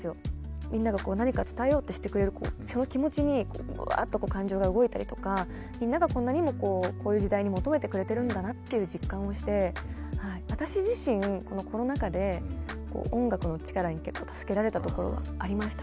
みんなが何か伝えようとしてくれるその気持ちにうわっと感情が動いたりとかみんながこんなにもこういう時代に求めてくれてるんだなっていう実感をして私自身このコロナ禍で音楽の力に結構助けられたところがありました。